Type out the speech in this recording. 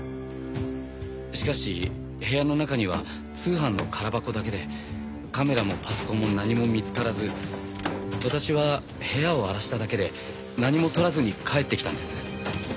しかし部屋の中には通販の空箱だけでカメラもパソコンも何も見つからず私は部屋を荒らしただけで何も盗らずに帰ってきたんです。